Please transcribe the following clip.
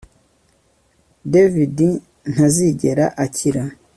David ntazigera akira